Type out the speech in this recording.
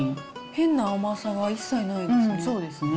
変な甘さが一切ないですね。